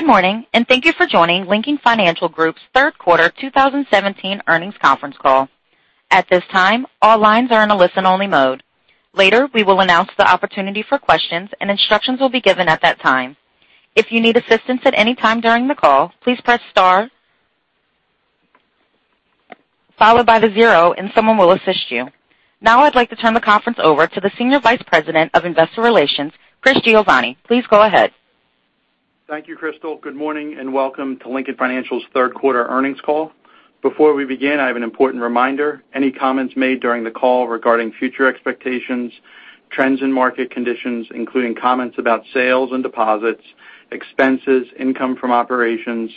Good morning, thank you for joining Lincoln Financial Group's third quarter 2017 earnings conference call. At this time, all lines are in a listen-only mode. Later, we will announce the opportunity for questions, and instructions will be given at that time. If you need assistance at any time during the call, please press star followed by the zero, and someone will assist you. Now I'd like to turn the conference over to the Senior Vice President of Investor Relations, Chris Giovanni. Please go ahead. Thank you, Crystal. Good morning and welcome to Lincoln Financial's third quarter earnings call. Before we begin, I have an important reminder. Any comments made during the call regarding future expectations, trends and market conditions, including comments about sales and deposits, expenses, income from operations,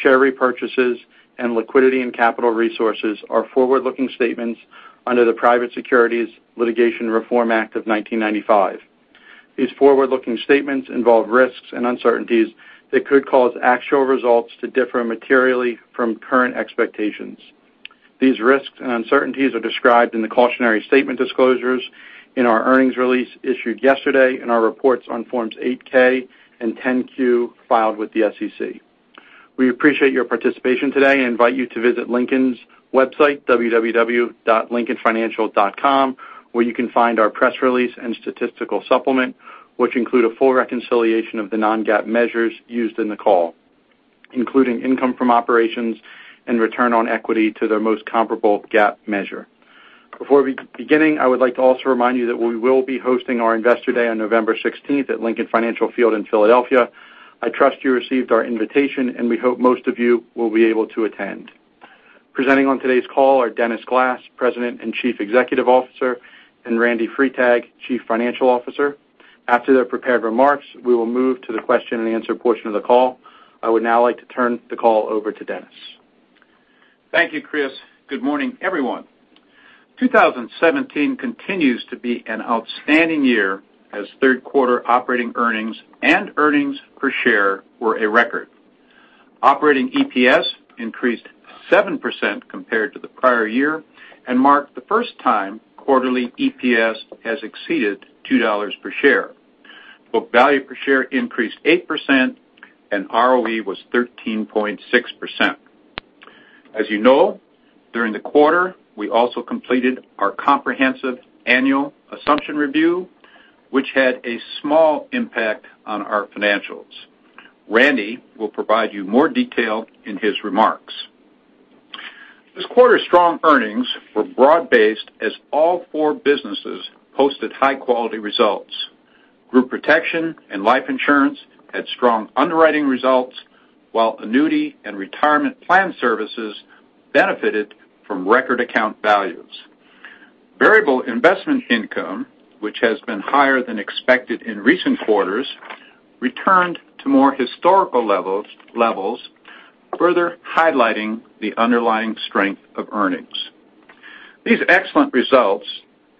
share repurchases, and liquidity and capital resources are forward-looking statements under the Private Securities Litigation Reform Act of 1995. These forward-looking statements involve risks and uncertainties that could cause actual results to differ materially from current expectations. These risks and uncertainties are described in the cautionary statement disclosures in our earnings release issued yesterday, in our reports on Forms 8-K and 10-Q filed with the SEC. We appreciate your participation today. I invite you to visit Lincoln's website, www.lincolnfinancial.com, where you can find our press release and statistical supplement, which include a full reconciliation of the non-GAAP measures used in the call, including income from operations and return on equity to their most comparable GAAP measure. Before beginning, I would like to also remind you that we will be hosting our Investor Day on November 16th at Lincoln Financial Field in Philadelphia. I trust you received our invitation, and we hope most of you will be able to attend. Presenting on today's call are Dennis Glass, President and Chief Executive Officer, and Randy Freitag, Chief Financial Officer. After their prepared remarks, we will move to the question and answer portion of the call. I would now like to turn the call over to Dennis. Thank you, Chris. Good morning, everyone. 2017 continues to be an outstanding year as third quarter operating earnings and earnings per share were a record. Operating EPS increased 7% compared to the prior year and marked the first time quarterly EPS has exceeded $2 per share. Book value per share increased 8%, and ROE was 13.6%. As you know, during the quarter, we also completed our comprehensive annual assumption review, which had a small impact on our financials. Randy will provide you more detail in his remarks. This quarter's strong earnings were broad-based as all four businesses posted high-quality results. Group Protection and Life Insurance had strong underwriting results, while Annuity and Retirement Plan Services benefited from record account values. Variable investment income, which has been higher than expected in recent quarters, returned to more historical levels, further highlighting the underlying strength of earnings. These excellent results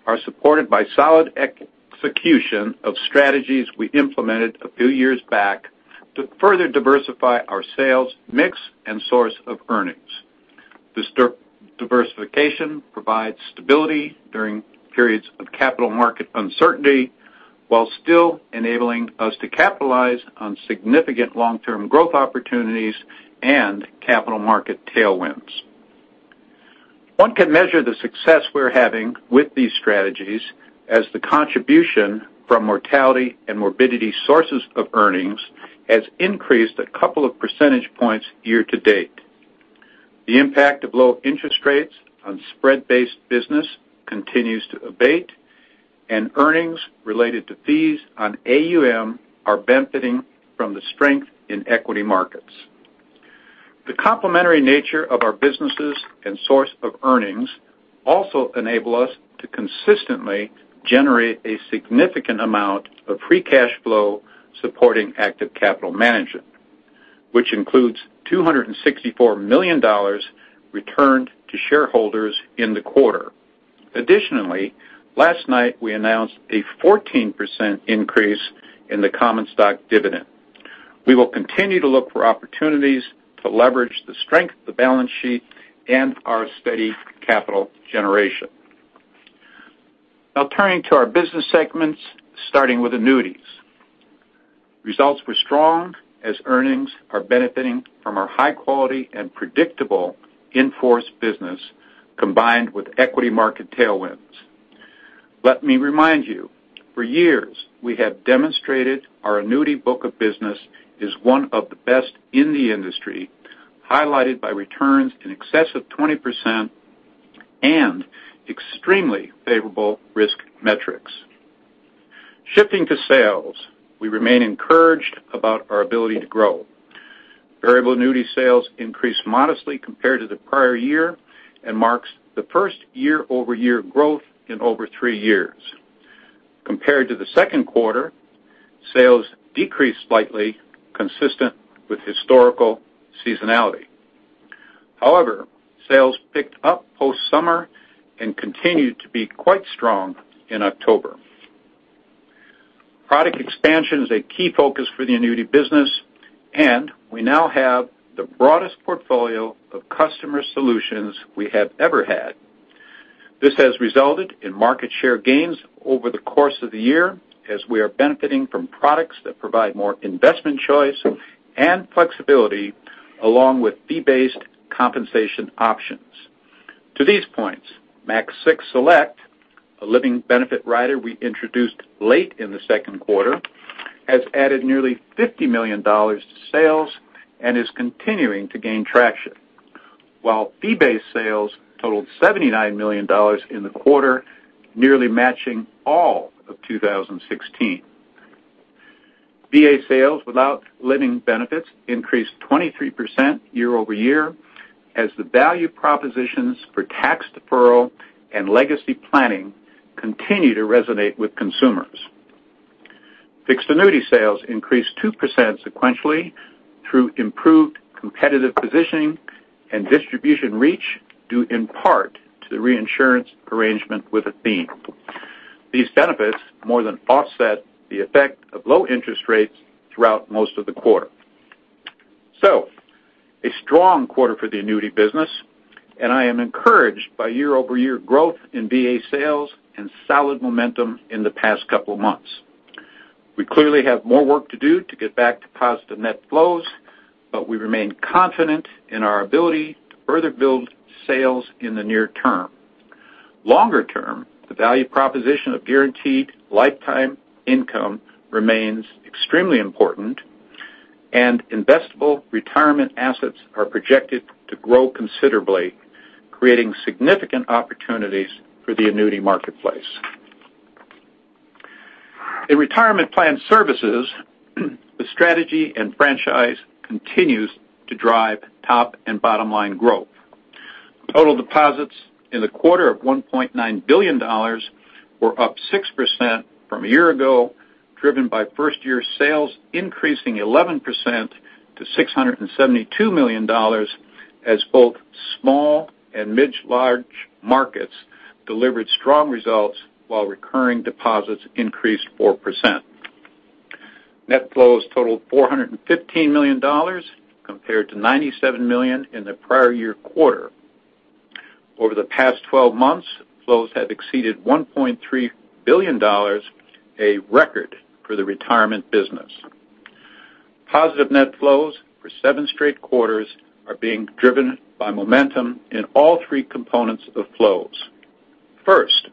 are supported by solid execution of strategies we implemented a few years back to further diversify our sales mix and source of earnings. This diversification provides stability during periods of capital market uncertainty while still enabling us to capitalize on significant long-term growth opportunities and capital market tailwinds. One can measure the success we're having with these strategies as the contribution from mortality and morbidity sources of earnings has increased a couple of percentage points year to date. The impact of low interest rates on spread-based business continues to abate, and earnings related to fees on AUM are benefiting from the strength in equity markets. The complementary nature of our businesses and source of earnings also enable us to consistently generate a significant amount of free cash flow supporting active capital management, which includes $264 million returned to shareholders in the quarter. Additionally, last night we announced a 14% increase in the common stock dividend. We will continue to look for opportunities to leverage the strength of the balance sheet and our steady capital generation. Now turning to our business segments, starting with annuities. Results were strong as earnings are benefiting from our high quality and predictable in-force business, combined with equity market tailwinds. Let me remind you, for years we have demonstrated our annuity book of business is one of the best in the industry, highlighted by returns in excess of 20% and extremely favorable risk metrics. Shifting to sales, we remain encouraged about our ability to grow. Variable annuity sales increased modestly compared to the prior year and marks the first year-over-year growth in over three years. Compared to the second quarter, sales decreased slightly, consistent with historical seasonality. Sales picked up post-summer and continued to be quite strong in October. Product expansion is a key focus for the annuity business, and we now have the broadest portfolio of customer solutions we have ever had. This has resulted in market share gains over the course of the year as we are benefiting from products that provide more investment choice and flexibility, along with fee-based compensation options. To these points, Max 6 Select, a living benefit rider we introduced late in the second quarter, has added nearly $50 million to sales and is continuing to gain traction. While fee-based sales totaled $79 million in the quarter, nearly matching all of 2016. VA sales without living benefits increased 23% year-over-year as the value propositions for tax deferral and legacy planning continue to resonate with consumers. Fixed annuity sales increased 2% sequentially through improved competitive positioning and distribution reach, due in part to the reinsurance arrangement with Athene. These benefits more than offset the effect of low interest rates throughout most of the quarter. A strong quarter for the annuity business, and I am encouraged by year-over-year growth in VA sales and solid momentum in the past couple of months. We clearly have more work to do to get back to positive net flows, but we remain confident in our ability to further build sales in the near term. Longer term, the value proposition of guaranteed lifetime income remains extremely important, and investable retirement assets are projected to grow considerably, creating significant opportunities for the annuity marketplace. In retirement plan services, the strategy and franchise continues to drive top and bottom line growth. Total deposits in the quarter of $1.9 billion were up 6% from a year ago, driven by first-year sales increasing 11% to $672 million as both small and mid-large markets delivered strong results while recurring deposits increased 4%. Net flows totaled $415 million compared to $97 million in the prior year quarter. Over the past 12 months, flows have exceeded $1.3 billion, a record for the retirement business. Positive net flows for seven straight quarters are being driven by momentum in all three components of flows. First,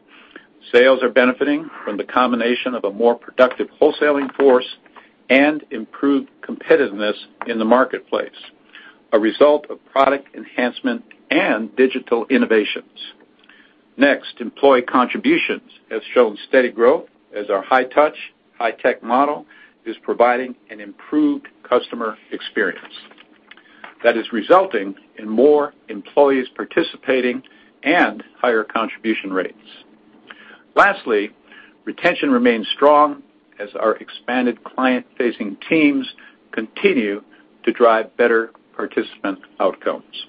sales are benefiting from the combination of a more productive wholesaling force and improved competitiveness in the marketplace, a result of product enhancement and digital innovations. Next, employee contributions has shown steady growth as our high touch, high tech model is providing an improved customer experience that is resulting in more employees participating and higher contribution rates. Lastly, retention remains strong as our expanded client-facing teams continue to drive better participant outcomes.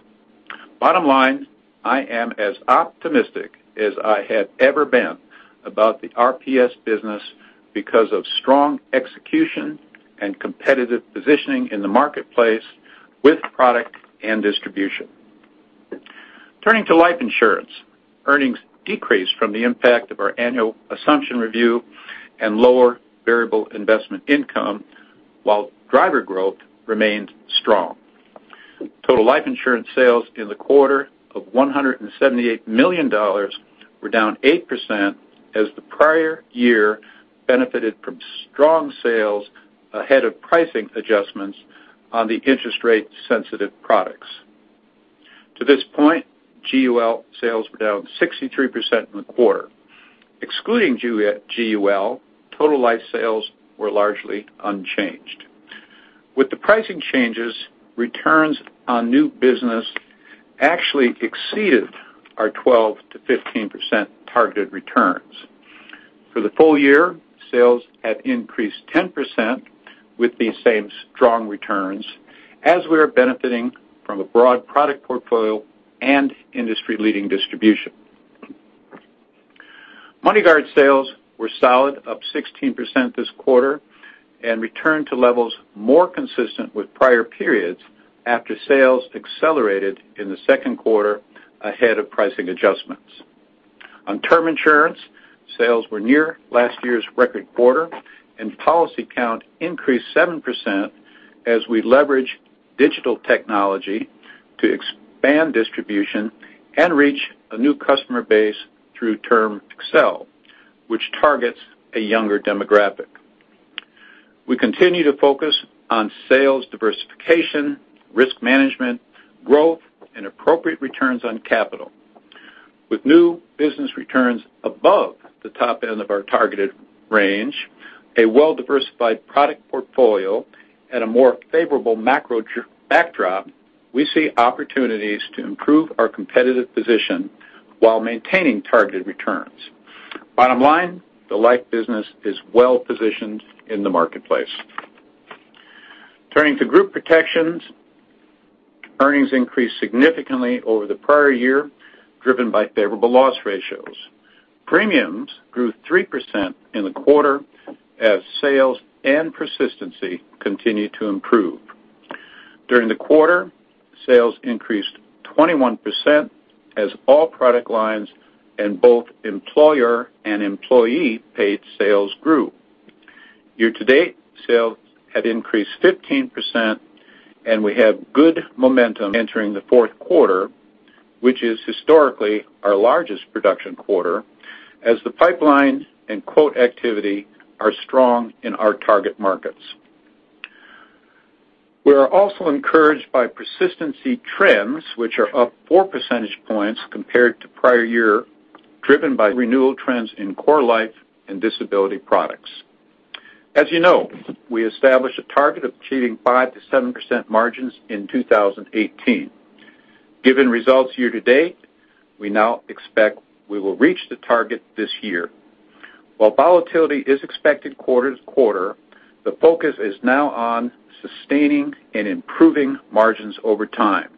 Bottom line, I am as optimistic as I have ever been about the RPS business because of strong execution and competitive positioning in the marketplace with product and distribution. Turning to life insurance, earnings decreased from the impact of our annual assumption review and lower variable investment income, while driver growth remained strong. Total life insurance sales in the quarter of $178 million were down 8% as the prior year benefited from strong sales ahead of pricing adjustments on the interest rate sensitive products. To this point, GUL sales were down 63% in the quarter. Excluding GUL, total life sales were largely unchanged. With the pricing changes, returns on new business actually exceeded our 12%-15% targeted returns. For the full year, sales have increased 10% with the same strong returns as we are benefiting from a broad product portfolio and industry-leading distribution. MoneyGuard sales were solid, up 16% this quarter and returned to levels more consistent with prior periods after sales accelerated in the second quarter ahead of pricing adjustments. On term insurance, sales were near last year's record quarter and policy count increased 7% as we leverage digital technology to expand distribution and reach a new customer base through TermAccel, which targets a younger demographic. We continue to focus on sales diversification, risk management, growth, and appropriate returns on capital. With new business returns above the top end of our targeted range, a well-diversified product portfolio, and a more favorable macro backdrop, we see opportunities to improve our competitive position while maintaining targeted returns. Bottom line, the life business is well positioned in the marketplace. Turning to group protections, earnings increased significantly over the prior year, driven by favorable loss ratios. Premiums grew 3% in the quarter as sales and persistency continued to improve. During the quarter, sales increased 21% as all product lines and both employer and employee-paid sales grew. Year-to-date sales have increased 15%, and we have good momentum entering the fourth quarter, which is historically our largest production quarter, as the pipeline and quote activity are strong in our target markets. We are also encouraged by persistency trends, which are up four percentage points compared to prior year, driven by renewal trends in core life and disability products. As you know, we established a target of achieving 5%-7% margins in 2018. Given results year-to-date, we now expect we will reach the target this year. While volatility is expected quarter to quarter, the focus is now on sustaining and improving margins over time.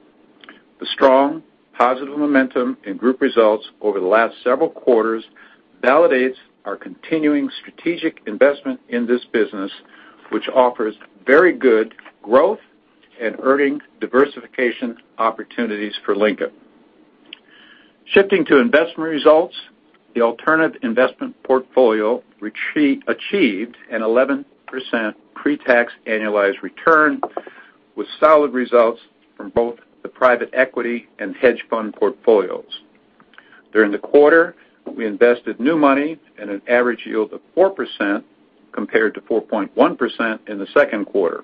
The strong positive momentum in group results over the last several quarters validates our continuing strategic investment in this business, which offers very good growth and earning diversification opportunities for Lincoln. Shifting to investment results, the alternative investment portfolio achieved an 11% pre-tax annualized return with solid results from both the private equity and hedge fund portfolios. During the quarter, we invested new money at an average yield of 4% compared to 4.1% in the second quarter.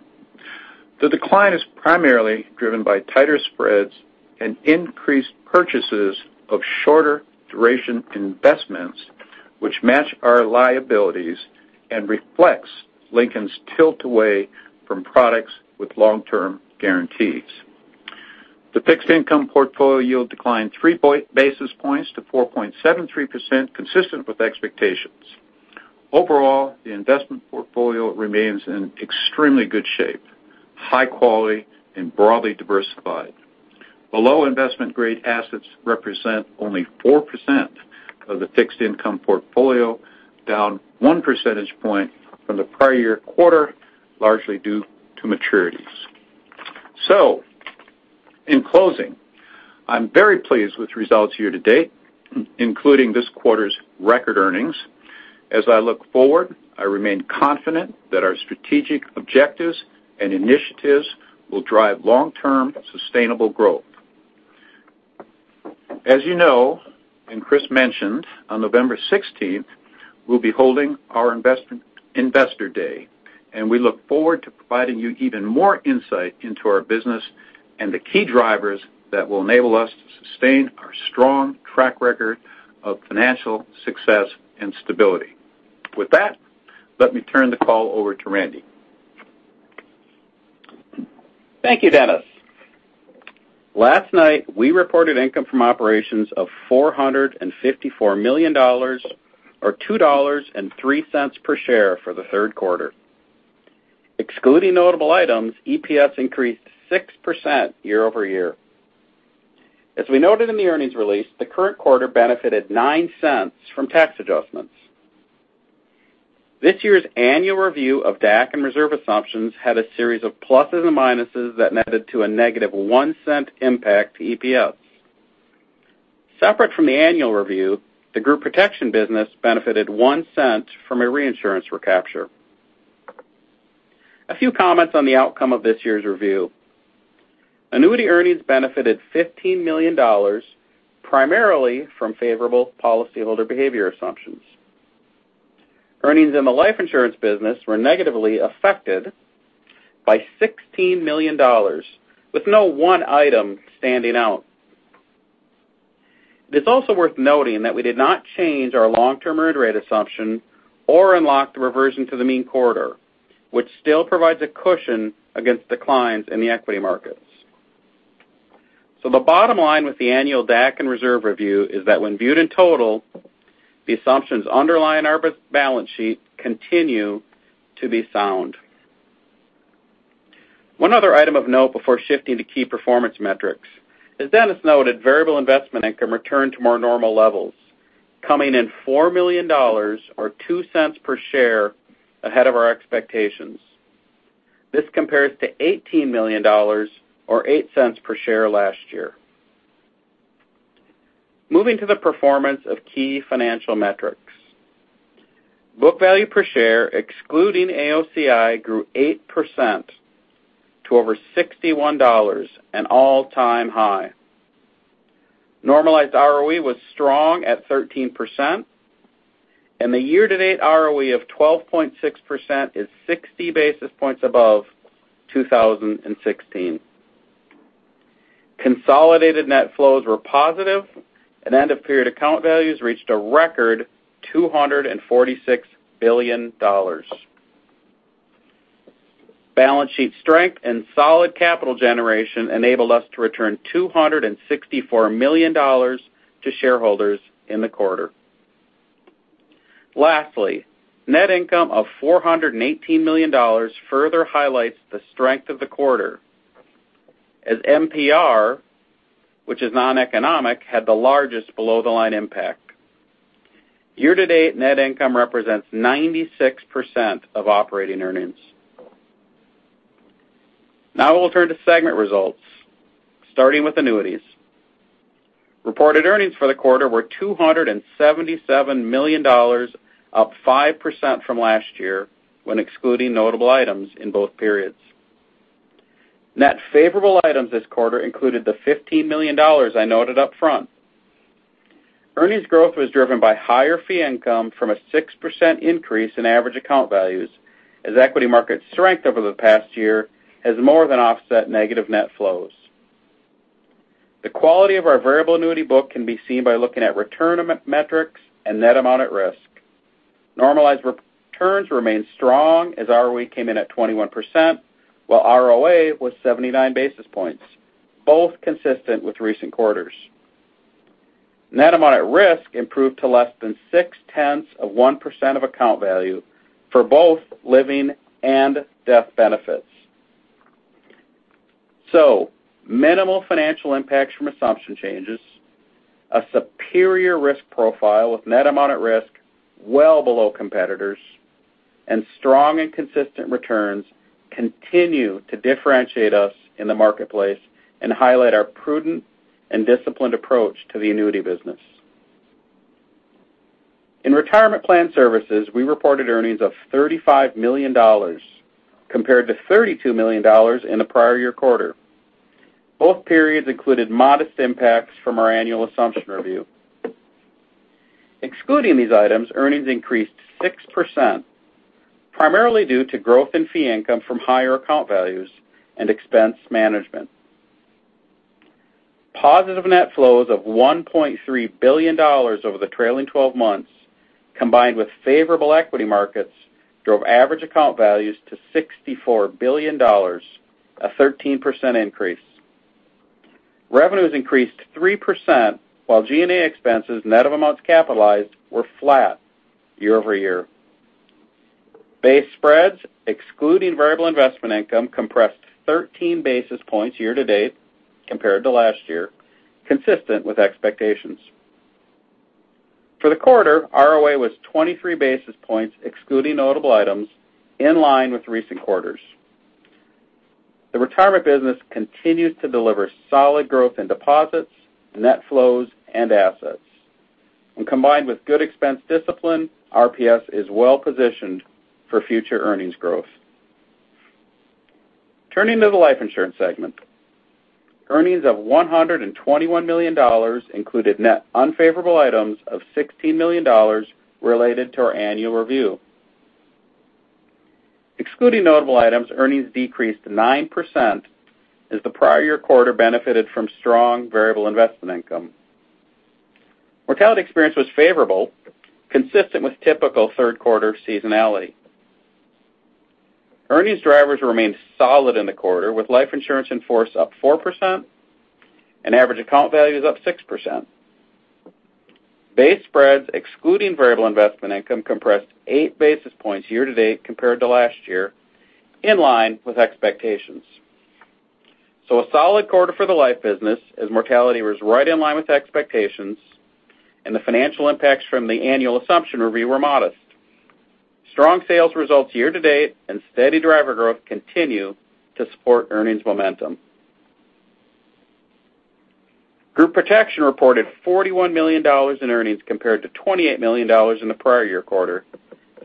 The decline is primarily driven by tighter spreads and increased purchases of shorter duration investments which match our liabilities and reflects Lincoln's tilt away from products with long-term guarantees. The fixed income portfolio yield declined three basis points to 4.73%, consistent with expectations. Overall, the investment portfolio remains in extremely good shape, high quality and broadly diversified. Below investment-grade assets represent only 4% of the fixed income portfolio, down one percentage point from the prior year quarter, largely due to maturities. In closing, I'm very pleased with results year-to-date, including this quarter's record earnings. As I look forward, I remain confident that our strategic objectives and initiatives will drive long-term sustainable growth. As you know, and Chris mentioned, on November 16th, we'll be holding our investor day, and we look forward to providing you even more insight into our business and the key drivers that will enable us to sustain our strong track record of financial success and stability. With that, let me turn the call over to Randy. Thank you, Dennis. Last night, we reported income from operations of $454 million, or $2.03 per share for the third quarter. Excluding notable items, EPS increased 6% year-over-year. As we noted in the earnings release, the current quarter benefited $0.09 from tax adjustments. This year's annual review of DAC and reserve assumptions had a series of pluses and minuses that netted to a negative $0.01 impact to EPS. Separate from the annual review, the group protection business benefited $0.01 from a reinsurance recapture. A few comments on the outcome of this year's review. Annuity earnings benefited $15 million, primarily from favorable policyholder behavior assumptions. Earnings in the life insurance business were negatively affected by $16 million, with no one item standing out. It is also worth noting that we did not change our long-term interest rate assumption or unlock the reversion to the mean quarter, which still provides a cushion against declines in the equity markets. The bottom line with the annual DAC and reserve review is that when viewed in total, the assumptions underlying our balance sheet continue to be sound. One other item of note before shifting to key performance metrics. As Dennis noted, variable investment income returned to more normal levels, coming in $4 million or $0.02 per share ahead of our expectations. This compares to $18 million or $0.08 per share last year. Moving to the performance of key financial metrics. Book value per share excluding AOCI grew 8% to over $61, an all-time high. Normalized ROE was strong at 13%, and the year-to-date ROE of 12.6% is 60 basis points above 2016. Consolidated net flows were positive, end-of-period account values reached a record $246 billion. Balance sheet strength and solid capital generation enabled us to return $264 million to shareholders in the quarter. Net income of $418 million further highlights the strength of the quarter as MPR, which is noneconomic, had the largest below-the-line impact. Year-to-date net income represents 96% of operating earnings. We'll turn to segment results, starting with annuities. Reported earnings for the quarter were $277 million, up 5% from last year when excluding notable items in both periods. Net favorable items this quarter included the $15 million I noted upfront. Earnings growth was driven by higher fee income from a 6% increase in average account values, as equity market strength over the past year has more than offset negative net flows. The quality of our variable annuity book can be seen by looking at return metrics and net amount at risk. Normalized returns remain strong as ROE came in at 21%, while ROA was 79 basis points, both consistent with recent quarters. Net amount at risk improved to less than six tenths of 1% of account value for both living and death benefits. Minimal financial impacts from assumption changes, a superior risk profile with net amount at risk well below competitors, and strong and consistent returns continue to differentiate us in the marketplace and highlight our prudent and disciplined approach to the annuity business. In retirement plan services, we reported earnings of $35 million compared to $32 million in the prior year quarter. Both periods included modest impacts from our annual assumption review. Excluding these items, earnings increased 6%, primarily due to growth in fee income from higher account values and expense management. Positive net flows of $1.3 billion over the trailing 12 months, combined with favorable equity markets, drove average account values to $64 billion, a 13% increase. Revenues increased 3%, while G&A expenses net of amounts capitalized were flat year-over-year. Base spreads, excluding variable investment income, compressed 13 basis points year to date compared to last year, consistent with expectations. For the quarter, ROA was 23 basis points, excluding notable items, in line with recent quarters. The retirement business continues to deliver solid growth in deposits, net flows, and assets. When combined with good expense discipline, RPS is well-positioned for future earnings growth. Turning to the life insurance segment. Earnings of $121 million included net unfavorable items of $16 million related to our annual review. Excluding notable items, earnings decreased 9% as the prior year quarter benefited from strong variable investment income. Mortality experience was favorable, consistent with typical third quarter seasonality. Earnings drivers remained solid in the quarter with life insurance in force up 4% and average account values up 6%. Base spreads excluding variable investment income compressed eight basis points year to date compared to last year, in line with expectations. A solid quarter for the life business as mortality was right in line with expectations and the financial impacts from the annual assumption review were modest. Strong sales results year to date and steady driver growth continue to support earnings momentum. Group protection reported $41 million in earnings compared to $28 million in the prior year quarter.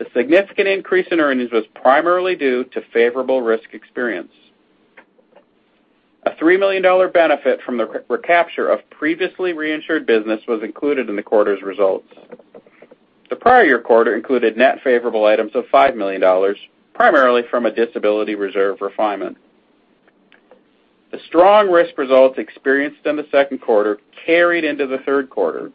A significant increase in earnings was primarily due to favorable risk experience. A $3 million benefit from the recapture of previously reinsured business was included in the quarter's results. The prior year quarter included net favorable items of $5 million, primarily from a disability reserve refinement. The strong risk results experienced in the second quarter carried into the third quarter.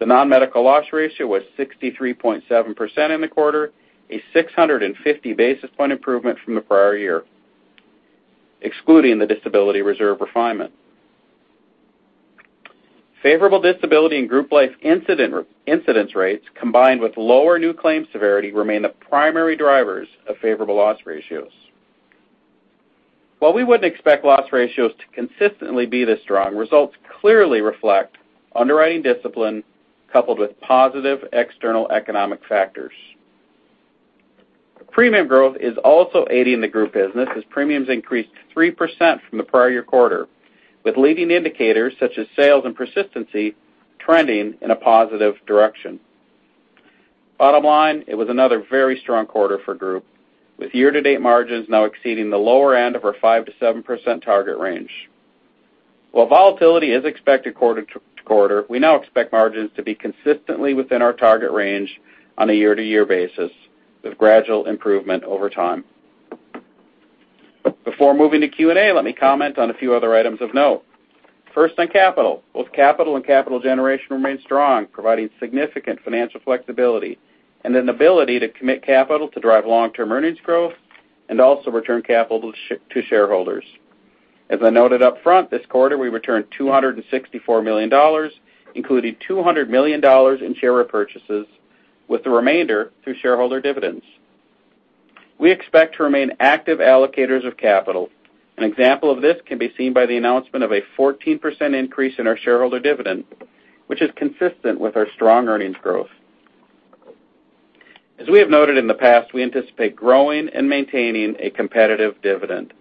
The non-medical loss ratio was 63.7% in the quarter, a 650 basis point improvement from the prior year, excluding the disability reserve refinement. Favorable disability and group life incidence rates, combined with lower new claim severity, remain the primary drivers of favorable loss ratios. While we wouldn't expect loss ratios to consistently be this strong, results clearly reflect underwriting discipline coupled with positive external economic factors. Premium growth is also aiding the group business as premiums increased 3% from the prior year quarter, with leading indicators such as sales and persistency trending in a positive direction. It was another very strong quarter for Group, with year-to-date margins now exceeding the lower end of our 5%-7% target range. While volatility is expected quarter to quarter, we now expect margins to be consistently within our target range on a year-to-year basis, with gradual improvement over time. Before moving to Q&A, let me comment on a few other items of note. First on capital. Both capital and capital generation remain strong, providing significant financial flexibility and an ability to commit capital to drive long-term earnings growth and also return capital to shareholders. As I noted upfront, this quarter we returned $264 million, including $200 million in share repurchases with the remainder through shareholder dividends. We expect to remain active allocators of capital. An example of this can be seen by the announcement of a 14% increase in our shareholder dividend, which is consistent with our strong earnings growth. As we have noted in the past, we anticipate growing and maintaining a competitive dividend.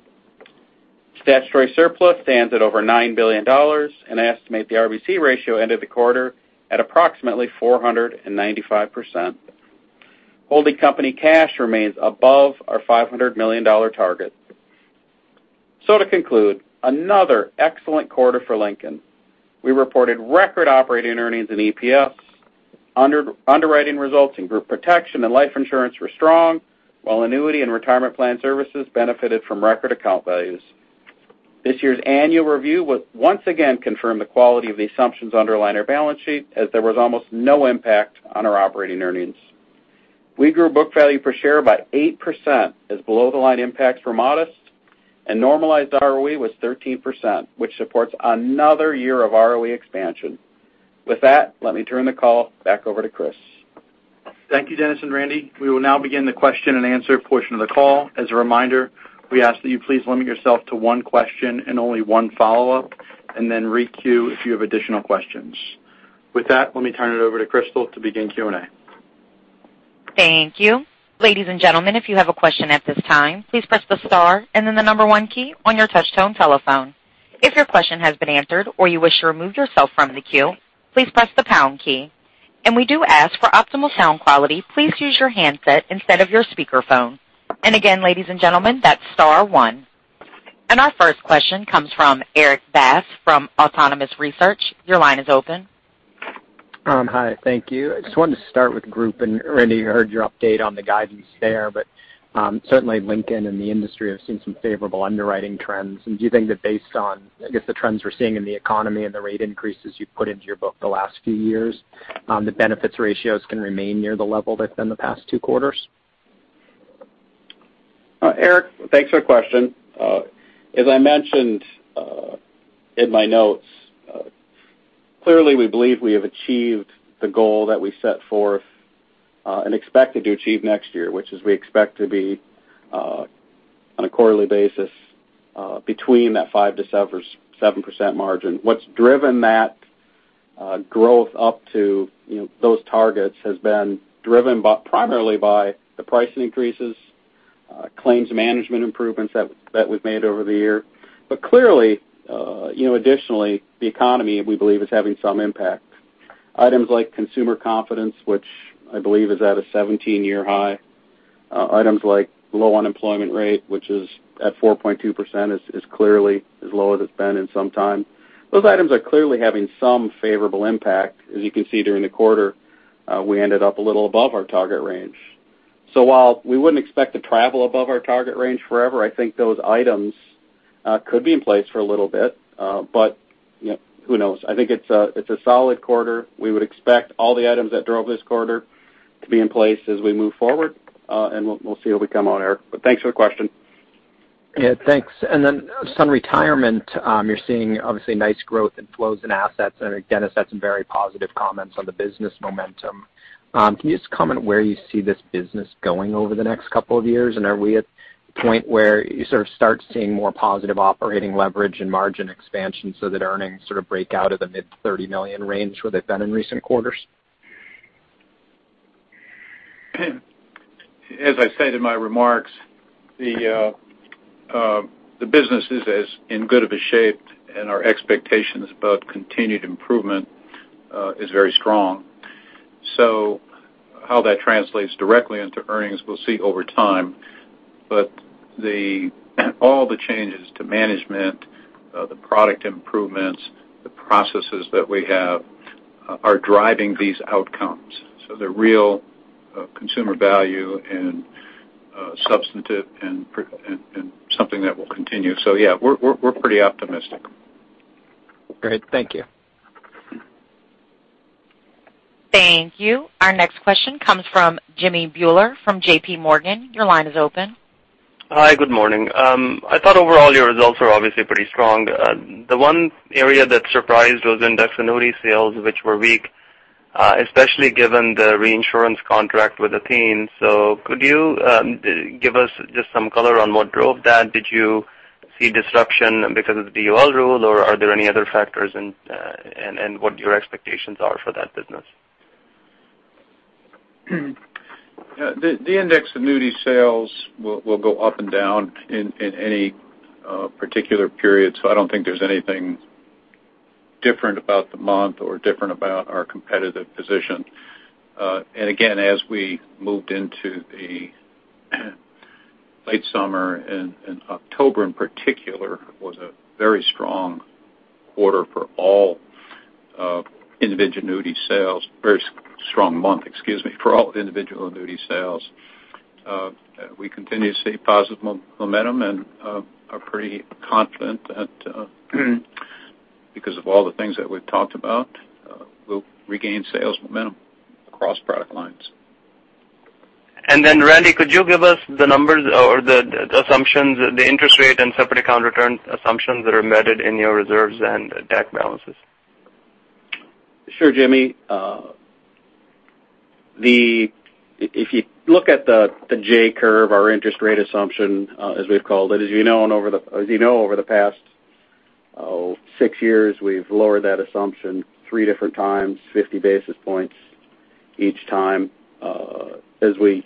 Statutory surplus stands at over $9 billion and I estimate the RBC ratio ended the quarter at approximately 495%. Holding company cash remains above our $500 million target. To conclude, another excellent quarter for Lincoln. We reported record operating earnings in EPS. Underwriting results in group protection and life insurance were strong, while annuity and retirement plan services benefited from record account values. This year's annual review will once again confirm the quality of the assumptions underlying our balance sheet, as there was almost no impact on our operating earnings. We grew book value per share by 8% as below-the-line impacts were modest, and normalized ROE was 13%, which supports another year of ROE expansion. Let me turn the call back over to Chris. Thank you, Dennis and Randy. We will now begin the question and answer portion of the call. As a reminder, we ask that you please limit yourself to one question and only one follow-up, and then re-queue if you have additional questions. With that, let me turn it over to Crystal to begin Q&A. Thank you. Ladies and gentlemen, if you have a question at this time, please press the star and then the number one key on your touch tone telephone. If your question has been answered or you wish to remove yourself from the queue, please press the pound key. We do ask for optimal sound quality, please use your handset instead of your speakerphone. Again, ladies and gentlemen, that's star one. Our first question comes from Erik Bass from Autonomous Research. Your line is open. Hi, thank you. I just wanted to start with group, Randy, I heard your update on the guidance there, but certainly Lincoln and the industry have seen some favorable underwriting trends. Do you think that based on, I guess, the trends we're seeing in the economy and the rate increases you've put into your book the last few years, the benefits ratios can remain near the level they've been the past two quarters? Erik, thanks for the question. As I mentioned in my notes, clearly we believe we have achieved the goal that we set forth and expected to achieve next year, which is we expect to be on a quarterly basis between that 5%-7% margin. What's driven that growth up to those targets has been driven primarily by the pricing increases, claims management improvements that we've made over the year. Clearly, additionally, the economy, we believe, is having some impact. Items like consumer confidence, which I believe is at a 17-year high. Items like low unemployment rate, which is at 4.2%, is clearly as low as it's been in some time. Those items are clearly having some favorable impact. As you can see during the quarter, we ended up a little above our target range. While we wouldn't expect to travel above our target range forever, I think those items could be in place for a little bit. Who knows? I think it's a solid quarter. We would expect all the items that drove this quarter to be in place as we move forward. We'll see how we come on, Erik, but thanks for the question. Yeah, thanks. Then some retirement. You're seeing obviously nice growth in flows and assets, Dennis had some very positive comments on the business momentum. Can you just comment where you see this business going over the next couple of years? Are we at the point where you sort of start seeing more positive operating leverage and margin expansion so that earnings sort of break out of the mid $30 million range where they've been in recent quarters? As I said in my remarks, the business is as in good of a shape and our expectations about continued improvement is very strong. How that translates directly into earnings, we'll see over time. All the changes to management, the product improvements, the processes that we have are driving these outcomes. They're real consumer value and substantive and something that will continue. Yeah, we're pretty optimistic. Great. Thank you. Thank you. Our next question comes from Jamminder Bhullar from JP Morgan. Your line is open. Hi, good morning. I thought overall your results were obviously pretty strong. The one area that surprised was index annuity sales, which were weak, especially given the reinsurance contract with Athene. Could you give us just some color on what drove that? Did you see disruption because of the DOL rule, or are there any other factors, and what your expectations are for that business? The index annuity sales will go up and down in any particular period, so I don't think there's anything different about the month or different about our competitive position. Again, as we moved into the late summer and October in particular was a very strong quarter for all individual annuity sales. Very strong month, excuse me, for all individual annuity sales. We continue to see positive momentum and are pretty confident that because of all the things that we've talked about, we'll regain sales momentum across product lines. Randy, could you give us the numbers or the assumptions, the interest rate and separate account return assumptions that are embedded in your reserves and DAC balances? Sure, Jimmy. If you look at the J curve, our interest rate assumption, as we've called it, as you know over the past six years, we've lowered that assumption three different times, 50 basis points each time. As we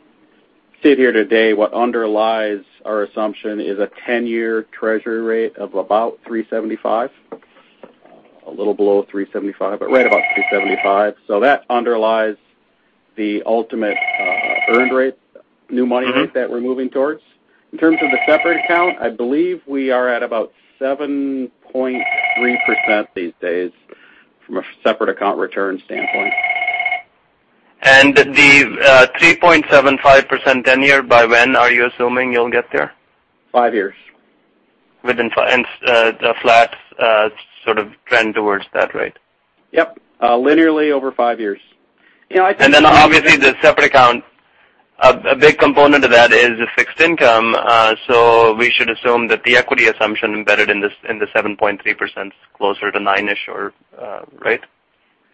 sit here today, what underlies our assumption is a 10-year Treasury rate of about 375, a little below 375, but right about 375. That underlies the ultimate earned rate, new money rate that we're moving towards. In terms of the separate account, I believe we are at about 7.3% these days from a separate account return standpoint. The 3.75% tenure by when are you assuming you'll get there? Five years. Within a flat sort of trend towards that rate? Yep. Linearly over five years. Obviously the separate account, a big component of that is fixed income. We should assume that the equity assumption embedded in the 7.3% is closer to nine-ish or, right?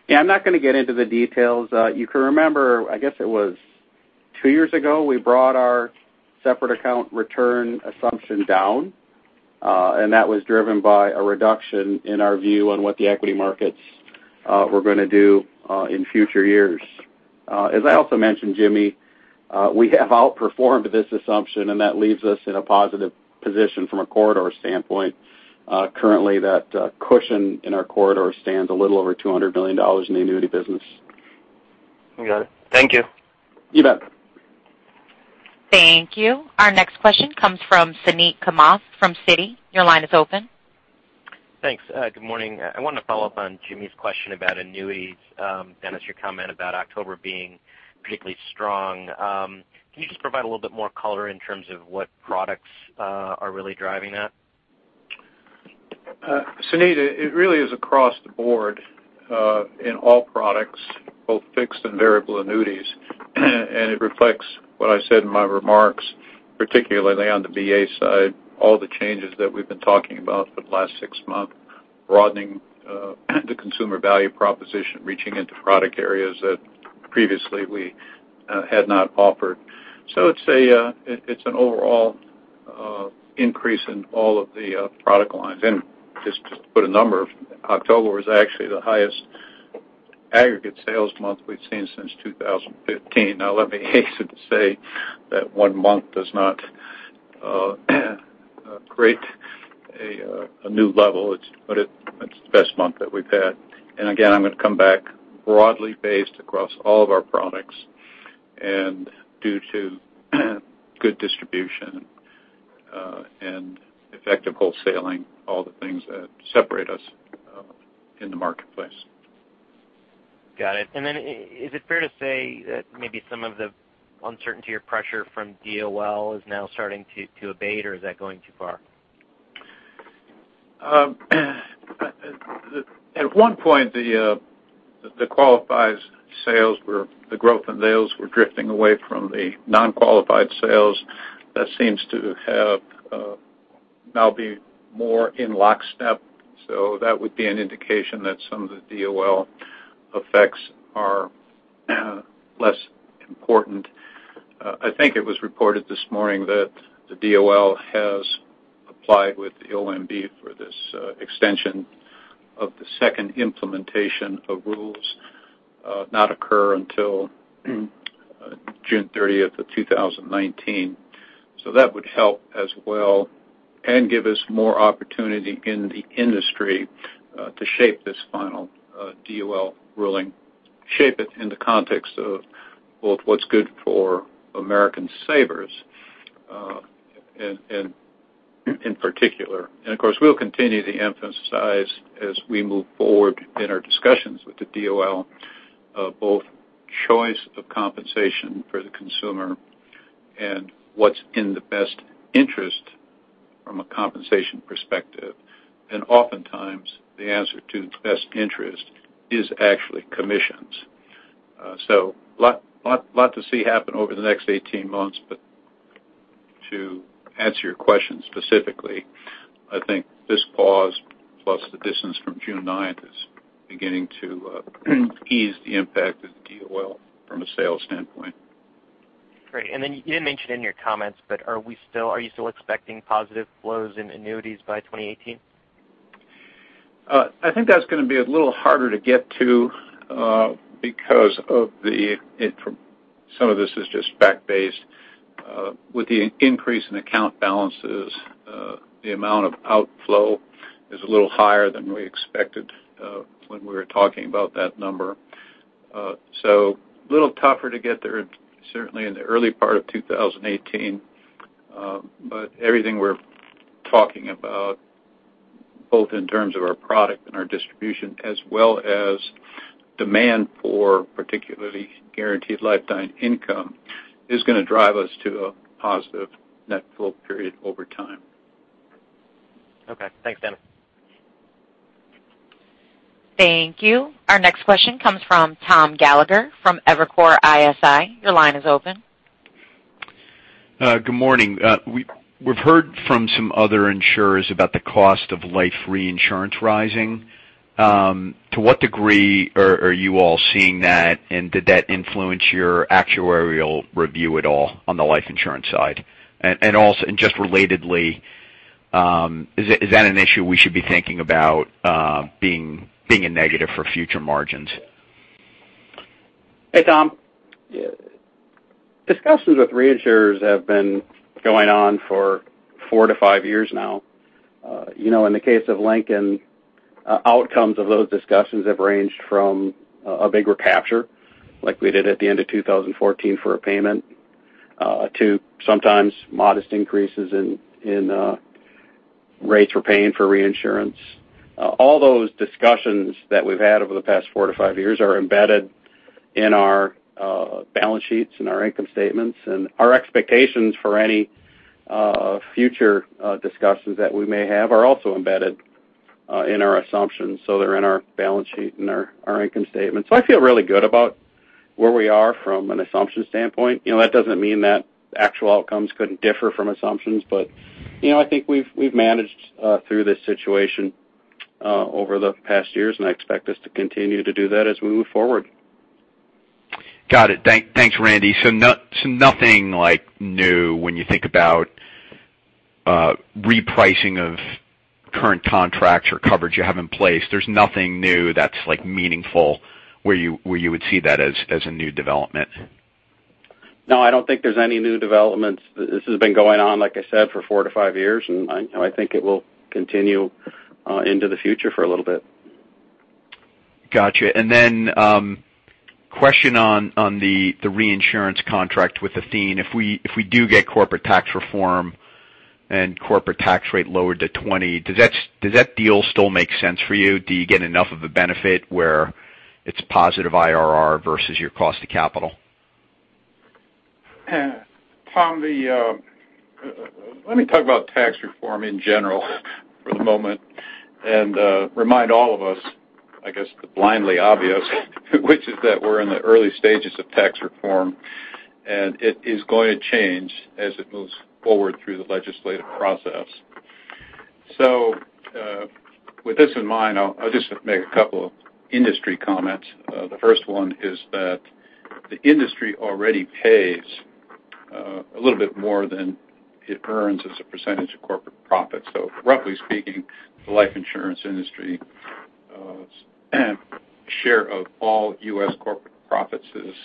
I'm not going to get into the details. You can remember, I guess it was two years ago, we brought our separate account return assumption down. That was driven by a reduction in our view on what the equity markets were going to do in future years. As I also mentioned, Jimmy, we have outperformed this assumption. That leaves us in a positive position from a corridor standpoint. Currently, that cushion in our corridor stands a little over $200 million in the annuity business. Got it. Thank you. You bet. Thank you. Our next question comes from Suneet Kamath from Citi. Your line is open. Thanks. Good morning. I want to follow up on Jimmy's question about annuities, Dennis, your comment about October being particularly strong. Can you just provide a little bit more color in terms of what products are really driving that? Suneet, it really is across the board, in all products, both fixed and variable annuities, and it reflects what I said in my remarks, particularly on the VA side, all the changes that we've been talking about for the last six months, broadening the consumer value proposition, reaching into product areas that previously we had not offered. So it's an overall increase in all of the product lines. Just to put a number, October was actually the highest aggregate sales month we've seen since 2015. Now let me hasten to say that one month does not create a new level. It's the best month that we've had. Again, I'm going to come back broadly based across all of our products and due to good distribution, and effective wholesaling, all the things that separate us in the marketplace. Got it. Is it fair to say that maybe some of the uncertainty or pressure from DOL is now starting to abate or is that going too far? At one point, the qualified sales, the growth in sales were drifting away from the non-qualified sales. That seems to have now be more in lockstep. That would be an indication that some of the DOL effects are less important. I think it was reported this morning that the DOL has applied with the OMB for this extension of the second implementation of rules not occur until June 30th of 2019. That would help as well and give us more opportunity in the industry to shape this final DOL ruling, shape it in the context of both what's good for American savers in particular. Of course, we'll continue to emphasize as we move forward in our discussions with the DOL, both choice of compensation for the consumer and what's in the best interest from a compensation perspective. Oftentimes, the answer to best interest is actually commissions. Lot to see happen over the next 18 months, but to answer your question specifically, I think this pause plus the distance from June 9th is beginning to ease the impact of the DOL from a sales standpoint. Great. You didn't mention in your comments, but are you still expecting positive flows in annuities by 2018? I think that's going to be a little harder to get to because of the, some of this is just fact-based. With the increase in account balances, the amount of outflow is a little higher than we expected, when we were talking about that number. A little tougher to get there, certainly in the early part of 2018. Everything we're talking about, both in terms of our product and our distribution, as well as demand for particularly guaranteed lifetime income, is going to drive us to a positive net flow period over time. Okay. Thanks, Dennis. Thank you. Our next question comes from Thomas Gallagher from Evercore ISI. Your line is open. Good morning. We've heard from some other insurers about the cost of life reinsurance rising. To what degree are you all seeing that? Did that influence your actuarial review at all on the life insurance side? Just relatedly, is that an issue we should be thinking about being a negative for future margins? Hey, Tom. Discussions with reinsurers have been going on for four to five years now. In the case of Lincoln, outcomes of those discussions have ranged from a big recapture, like we did at the end of 2014 for a payment, to sometimes modest increases in rates we're paying for reinsurance. All those discussions that we've had over the past four to five years are embedded in our balance sheets and our income statements. Our expectations for any future discussions that we may have are also embedded in our assumptions. They're in our balance sheet and our income statement. I feel really good about where we are from an assumption standpoint. That doesn't mean that actual outcomes couldn't differ from assumptions, I think we've managed through this situation over the past years, and I expect us to continue to do that as we move forward. Got it. Thanks, Randy. Nothing new when you think about repricing of current contracts or coverage you have in place. There's nothing new that's meaningful where you would see that as a new development. No, I don't think there's any new developments. This has been going on, like I said, for four to five years, I think it will continue into the future for a little bit. Got you. Question on the reinsurance contract with Athene. If we do get corporate tax reform and corporate tax rate lowered to 20, does that deal still make sense for you? Do you get enough of a benefit where it's positive IRR versus your cost to capital? Tom, let me talk about tax reform in general for the moment and remind all of us, I guess, the blindly obvious, which is that we're in the early stages of tax reform, and it is going to change as it moves forward through the legislative process. With this in mind, I'll just make a couple of industry comments. The first one is that the industry already pays a little bit more than it earns as a percentage of corporate profit. Roughly speaking, the life insurance industry's share of all U.S. corporate profits is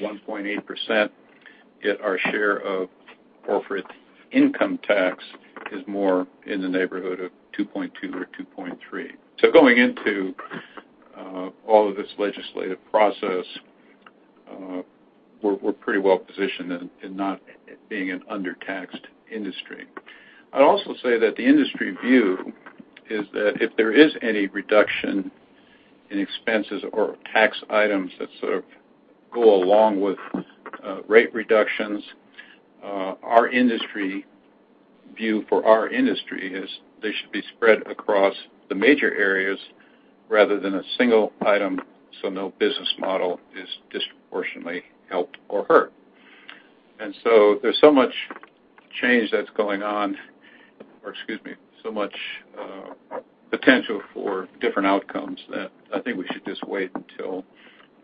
1.8%, yet our share of corporate income tax is more in the neighborhood of 2.2 or 2.3. Going into all of this legislative process, we're pretty well-positioned in not being an undertaxed industry. I'd also say that the industry view is that if there is any reduction in expenses or tax items that sort of go along with rate reductions, our industry view for our industry is they should be spread across the major areas rather than a single item, so no business model is disproportionately helped or hurt. There's so much change that's going on, or excuse me, so much potential for different outcomes that I think we should just wait until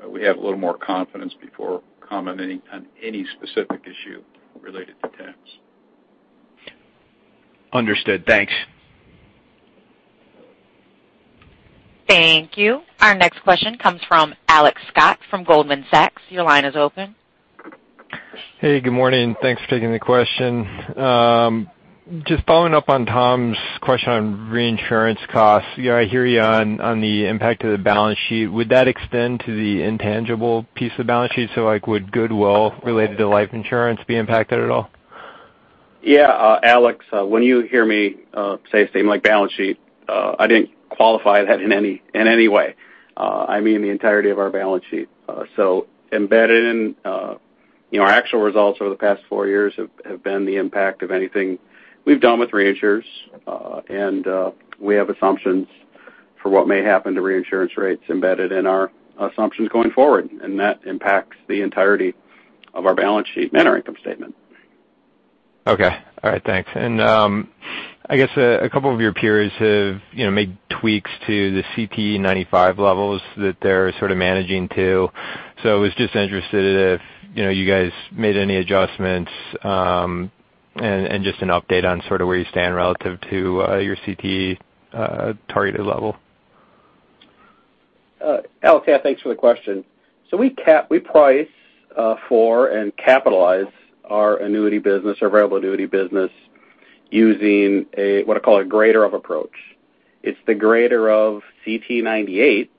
we have a little more confidence before commenting on any specific issue related to tax. Understood. Thanks. Thank you. Our next question comes from Alex Scott from Goldman Sachs. Your line is open. Hey, good morning. Thanks for taking the question. Just following up on Tom's question on reinsurance costs. I hear you on the impact to the balance sheet. Would that extend to the intangible piece of the balance sheet? Would goodwill related to life insurance be impacted at all? Yeah, Alex, when you hear me say something like balance sheet, I didn't qualify that in any way. I mean the entirety of our balance sheet. Embedded in our actual results over the past four years have been the impact of anything we've done with reinsurers. We have assumptions for what may happen to reinsurance rates embedded in our assumptions going forward, and that impacts the entirety of our balance sheet and our income statement. Okay. All right, thanks. I guess a couple of your peers have made tweaks to the CTE 95 levels that they're sort of managing to. I was just interested if you guys made any adjustments, and just an update on sort of where you stand relative to your CTE targeted level. Alex, yeah, thanks for the question. We price for and capitalize our annuity business, our variable annuity business, using what I call a greater of approach. It's the greater of CTE 98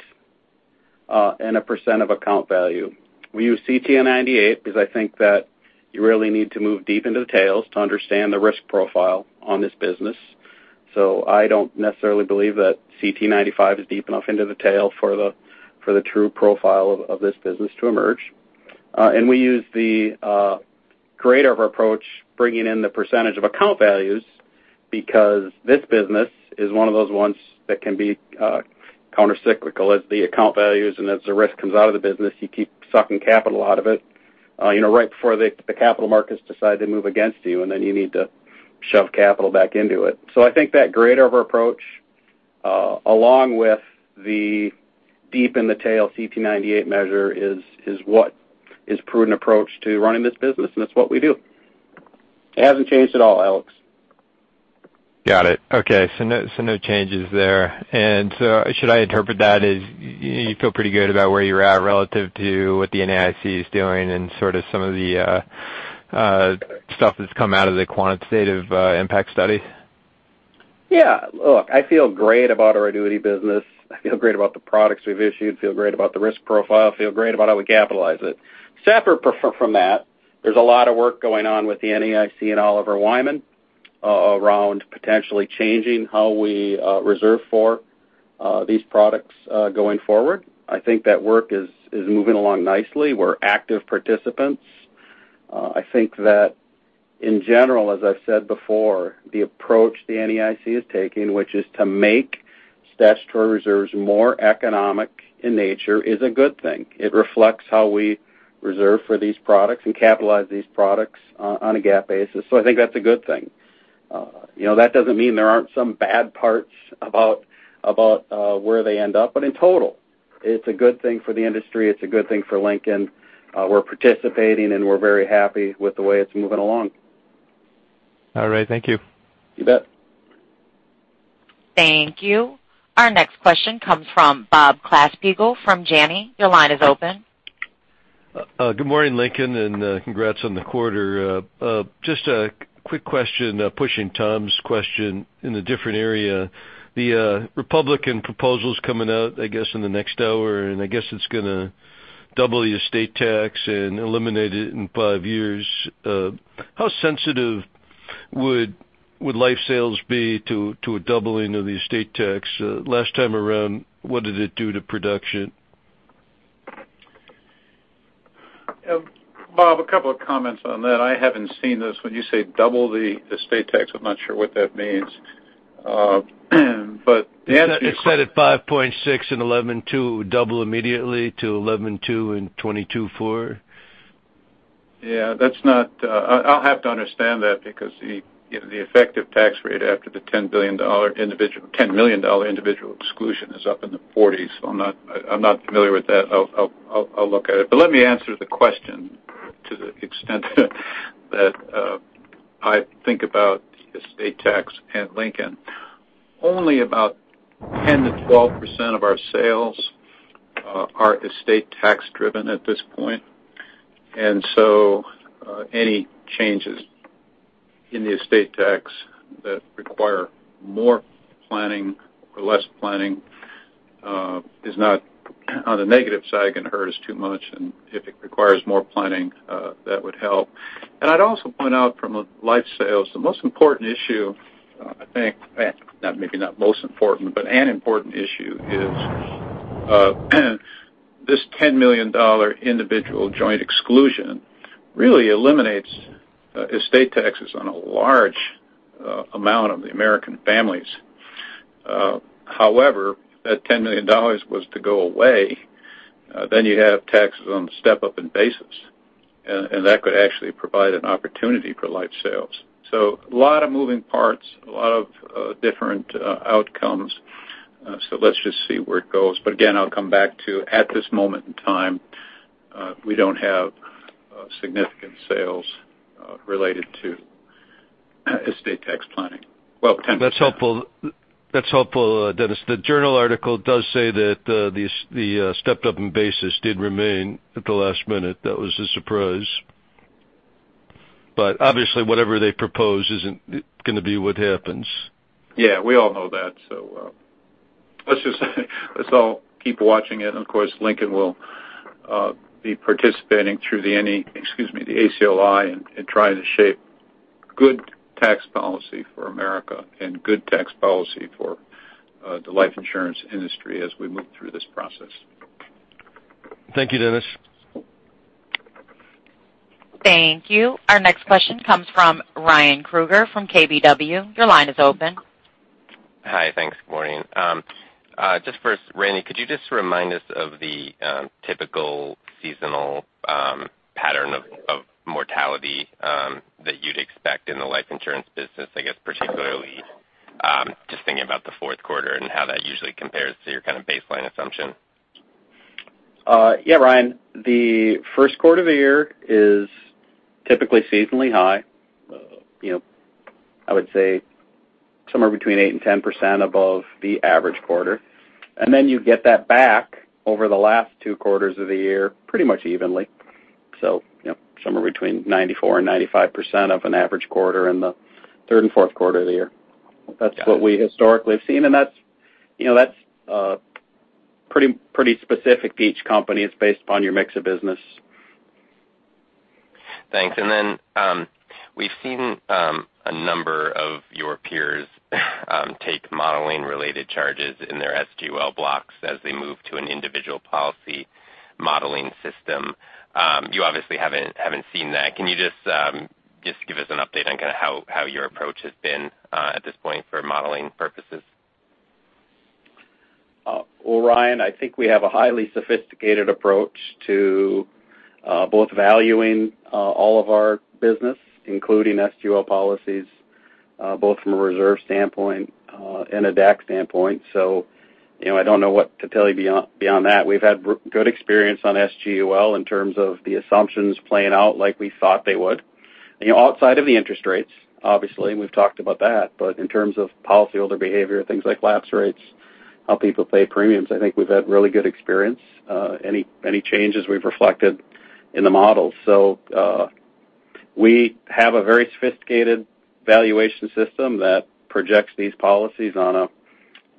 and a % of account value. We use CTE 98 because I think that you really need to move deep into the tails to understand the risk profile on this business. I don't necessarily believe that CTE 95 is deep enough into the tail for the true profile of this business to emerge. We use the greater of approach, bringing in the percentage of account values. Because this business is one of those ones that can be countercyclical as the account values and as the risk comes out of the business, you keep sucking capital out of it right before the capital markets decide to move against you, and then you need to shove capital back into it. I think that greater of approach, along with the deep in the tail CTE 98 measure is what is prudent approach to running this business, and that's what we do. It hasn't changed at all, Alex. Got it. Okay. No changes there. Should I interpret that as you feel pretty good about where you're at relative to what the NAIC is doing and sort of some of the stuff that's come out of the quantitative impact study? Yeah. Look, I feel great about our annuity business. I feel great about the products we've issued, feel great about the risk profile, feel great about how we capitalize it. Separate from that, there's a lot of work going on with the NAIC and Oliver Wyman around potentially changing how we reserve for these products going forward. I think that work is moving along nicely. We're active participants. I think that in general, as I've said before, the approach the NAIC is taking, which is to make statutory reserves more economic in nature, is a good thing. It reflects how we reserve for these products and capitalize these products on a GAAP basis. I think that's a good thing. That doesn't mean there aren't some bad parts about where they end up, but in total, it's a good thing for the industry. It's a good thing for Lincoln. We're participating, and we're very happy with the way it's moving along. All right. Thank you. You bet. Thank you. Our next question comes from Bob Klasfeld from Janney. Your line is open. Good morning, Lincoln, and congrats on the quarter. Just a quick question, pushing Tom's question in a different area. The Republican proposal's coming out, I guess, in the next hour, and I guess it's going to double your estate tax and eliminate it in five years. How sensitive would life sales be to a doubling of the estate tax? Last time around, what did it do to production? Bob, a couple of comments on that. I haven't seen this. When you say double the estate tax, I'm not sure what that means. The answer. It said at 5.6 and 11.2 would double immediately to 11.2 and 22.4. I'll have to understand that because the effective tax rate after the $10 million individual exclusion is up in the 40s. I'm not familiar with that. I'll look at it. Let me answer the question to the extent that I think about estate tax at Lincoln. Only about 10%-12% of our sales are estate tax-driven at this point. Any changes in the estate tax that require more planning or less planning is not on the negative side, going to hurt us too much. If it requires more planning, that would help. I'd also point out from a life sales, the most important issue, I think, maybe not most important, but an important issue is this $10 million individual joint exclusion really eliminates estate taxes on a large amount of the American families. However, that $10 million was to go away, then you'd have taxes on the step-up in basis, and that could actually provide an opportunity for life sales. A lot of moving parts, a lot of different outcomes. Let's just see where it goes. Again, I'll come back to, at this moment in time, we don't have significant sales related to estate tax planning. Well, 10%. That's helpful, Dennis. The journal article does say that the stepped up in basis did remain at the last minute. That was a surprise. Obviously, whatever they propose isn't going to be what happens. Yeah, we all know that. Let's all keep watching it, and of course, Lincoln will be participating through the ACLI and trying to shape good tax policy for America and good tax policy for the life insurance industry as we move through this process. Thank you, Dennis. Thank you. Our next question comes from Ryan Krueger from KBW. Your line is open. Hi. Thanks. Good morning. Just first, Randy, could you just remind us of the typical seasonal pattern of mortality that you'd expect in the life insurance business, I guess particularly, just thinking about the fourth quarter and how that usually compares to your kind of baseline assumption? Yeah, Ryan. The first quarter of the year is typically seasonally high. I would say somewhere between 8% and 10% above the average quarter. Then you get that back over the last two quarters of the year, pretty much evenly. Somewhere between 94% and 95% of an average quarter in the third and fourth quarter of the year. Got it. That's what we historically have seen, that's pretty specific to each company. It's based upon your mix of business. Thanks. We've seen a number of your peers take modeling related charges in their SGUL blocks as they move to an individual policy modeling system. You obviously haven't seen that. Can you just give us an update on how your approach has been at this point for modeling purposes? Well, Ryan, I think we have a highly sophisticated approach to both valuing all of our business, including SGUL policies, both from a reserve standpoint and a DAC standpoint. I don't know what to tell you beyond that. We've had good experience on SGUL in terms of the assumptions playing out like we thought they would. Outside of the interest rates, obviously, we've talked about that, but in terms of policyholder behavior, things like lapse rates, how people pay premiums, I think we've had really good experience. Any changes we've reflected in the models. We have a very sophisticated valuation system that projects these policies on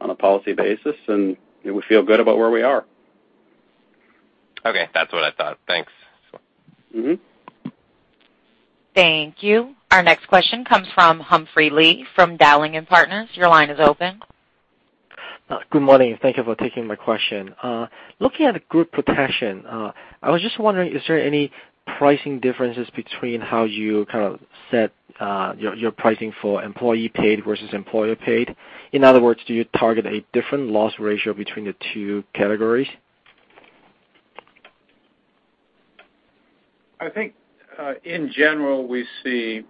a policy basis, and we feel good about where we are. Okay. That's what I thought. Thanks. Thank you. Our next question comes from Humphrey Lee, from Dowling & Partners. Your line is open. Good morning. Thank you for taking my question. Looking at group protection, I was just wondering, is there any pricing differences between how you set your pricing for employee-paid versus employer-paid? In other words, do you target a different loss ratio between the two categories? I think, in general, we see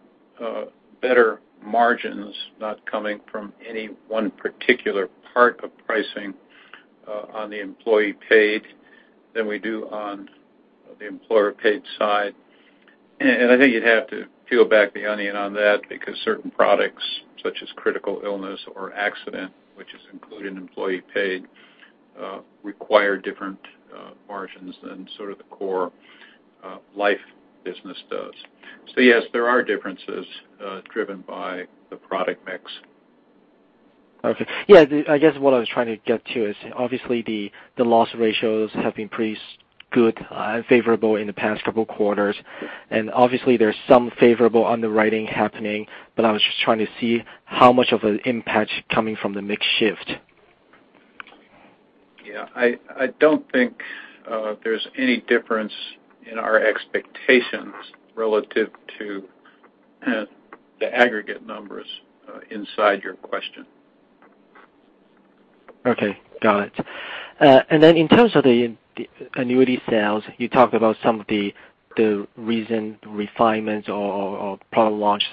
better margins not coming from any one particular part of pricing on the employee-paid than we do on the employer-paid side. I think you'd have to peel back the onion on that because certain products, such as critical illness or accident, which is included in employee-paid, require different margins than sort of the core life business does. Yes, there are differences driven by the product mix. Okay. Yeah, I guess what I was trying to get to is, obviously the loss ratios have been pretty good and favorable in the past couple quarters. Obviously there's some favorable underwriting happening, but I was just trying to see how much of an impact coming from the mix shift. Yeah. I don't think there's any difference in our expectations relative to the aggregate numbers inside your question. Okay. Got it. In terms of the annuity sales, you talked about some of the recent refinements or product launches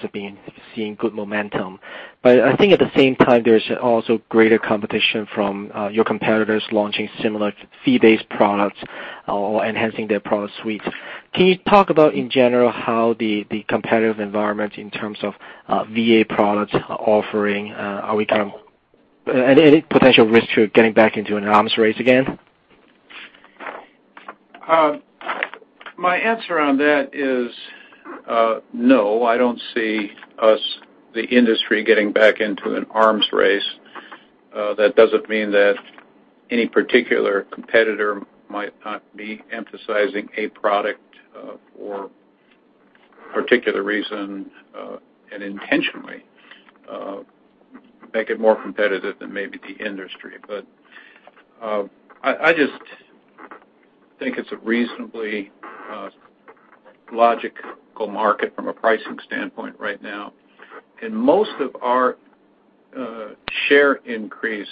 seeing good momentum. I think at the same time, there's also greater competition from your competitors launching similar fee-based products or enhancing their product suites. Can you talk about in general how the competitive environment in terms of VA product offering? Any potential risk to getting back into an arms race again? My answer on that is, no, I don't see us, the industry, getting back into an arms race. That doesn't mean that any particular competitor might not be emphasizing a product for a particular reason, and intentionally make it more competitive than maybe the industry. I just think it's a reasonably logical market from a pricing standpoint right now. Most of our share increase,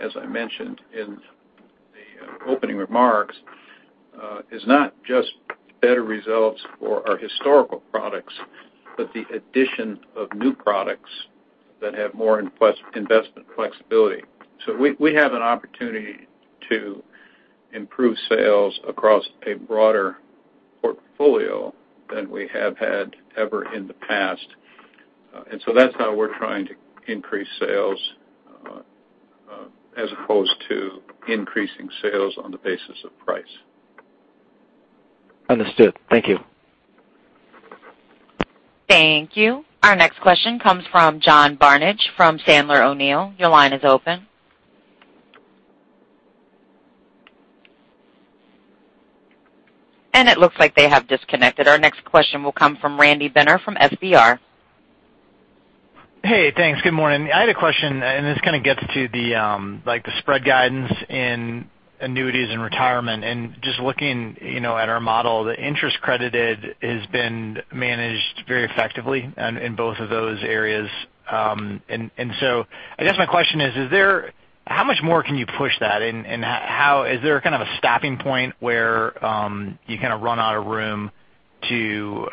as I mentioned in the opening remarks, is not just better results for our historical products, but the addition of new products that have more investment flexibility. We have an opportunity to improve sales across a broader portfolio than we have had ever in the past. That's how we're trying to increase sales, as opposed to increasing sales on the basis of price. Understood. Thank you. Thank you. Our next question comes from John Barnidge from Sandler O'Neill. Your line is open. It looks like they have disconnected. Our next question will come from Randy Binner from FBR. Hey, thanks. Good morning. I had a question. This kind of gets to the spread guidance in annuities and retirement. Just looking at our model, the interest credited has been managed very effectively in both of those areas. I guess my question is, how much more can you push that? Is there kind of a stopping point where you run out of room to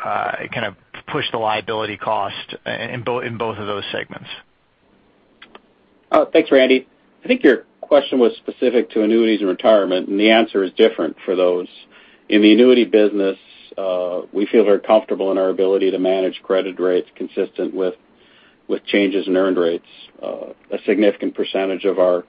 push the liability cost in both of those segments? Thanks, Randy. I think your question was specific to annuities and retirement. The answer is different for those. In the annuity business, we feel very comfortable in our ability to manage credit rates consistent with changes in earned rates. A significant percentage of our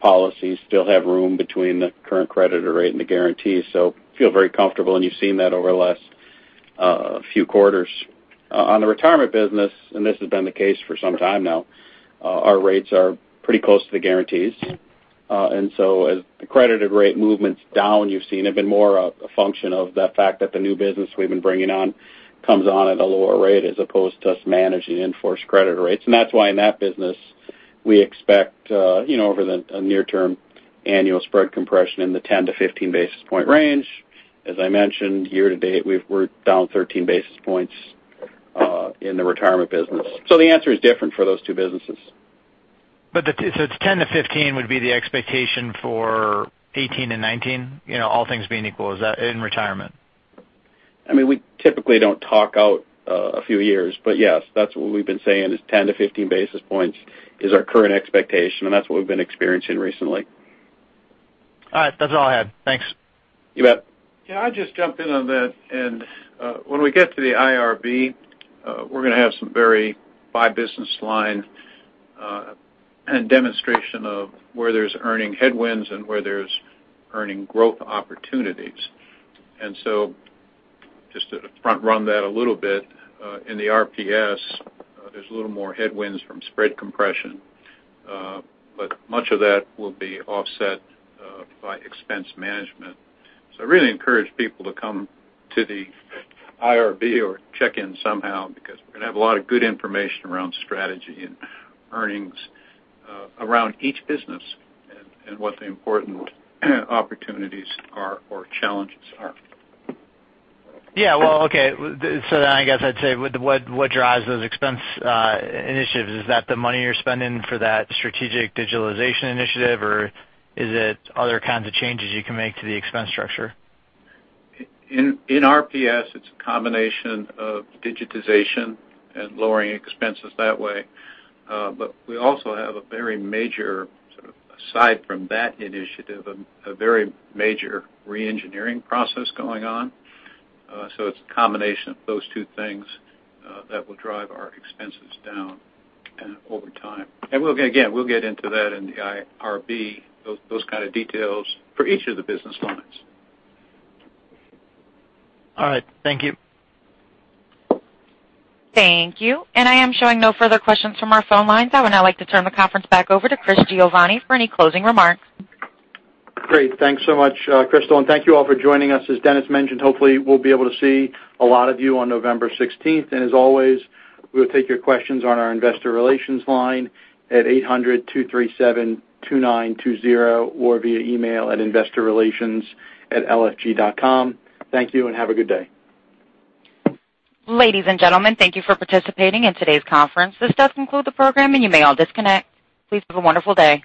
policies still have room between the current credit or rate and the guarantee, so feel very comfortable. You've seen that over the last few quarters. On the retirement business, this has been the case for some time now. Our rates are pretty close to the guarantees. As the credited rate movements down, you've seen have been more a function of the fact that the new business we've been bringing on comes on at a lower rate as opposed to us managing enforced credit rates. That's why in that business, we expect, over the near term, annual spread compression in the 10 to 15 basis point range. As I mentioned, year to date, we're down 13 basis points in the retirement business. The answer is different for those two businesses. It's 10 to 15 would be the expectation for 2018 and 2019? All things being equal, is that in retirement? We typically don't talk out a few years, but yes, that's what we've been saying is 10-15 basis points is our current expectation, and that's what we've been experiencing recently. All right. That's all I had. Thanks. You bet. Yeah, I'll just jump in on that. When we get to the IRD, we're going to have some very by business line and demonstration of where there's earning headwinds and where there's earning growth opportunities. Just to front run that a little bit, in the RPS, there's a little more headwinds from spread compression. Much of that will be offset by expense management. I really encourage people to come to the IRD or check in somehow because we're going to have a lot of good information around strategy and earnings around each business and what the important opportunities are or challenges are. Yeah. Well, okay. I guess I'd say, what drives those expense initiatives? Is that the money you're spending for that strategic digitalization initiative, or is it other kinds of changes you can make to the expense structure? In RPS, it's a combination of digitization and lowering expenses that way. We also have a very major, sort of aside from that initiative, a very major re-engineering process going on. It's a combination of those two things that will drive our expenses down over time. Again, we'll get into that in the IRD, those kind of details for each of the business lines. All right. Thank you. Thank you. I am showing no further questions from our phone lines. I would now like to turn the conference back over to Chris Giovanni for any closing remarks. Great. Thanks so much, Crystal. Thank you all for joining us. As Dennis mentioned, hopefully we'll be able to see a lot of you on November 16th. As always, we'll take your questions on our investor relations line at 800-237-2920 or via email at investorrelations@lfg.com. Thank you and have a good day. Ladies and gentlemen, thank you for participating in today's conference. This does conclude the program, and you may all disconnect. Please have a wonderful day.